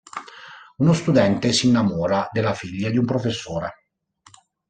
Uno studente si innamora della figlia di un professore